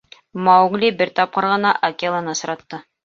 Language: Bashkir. Маугли бер тапҡыр ғына Акеланы осратты.